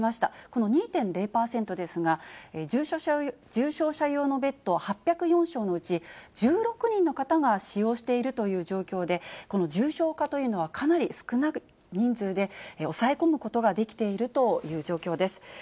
この２．０％ですが、重症者用のベッド８０４床のうち１６人の方が使用しているという状況で、この重症化というのはかなり少ない人数で抑え込むことができているという状況です。